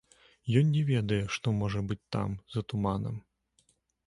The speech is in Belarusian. Ён не ведае, што можа быць там, за туманам.